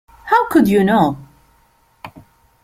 How could you know?